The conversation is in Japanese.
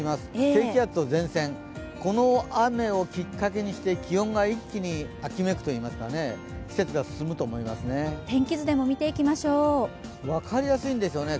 低気圧の前線、この雨をきっかけにして気温が一気に秋めくといいますか、季節が進むと思いますね。